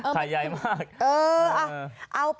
ไข่ใหญ่มาก